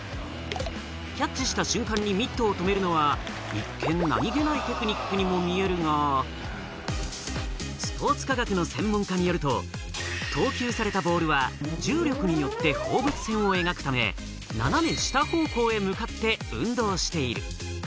キャッチした瞬間にミットを止めるのは、一見何気ないテクニックにも見えるが、スポーツ科学の専門家によると、投球されたボールは重力によって放物線を描くために、斜め下方向へ向かって運動している。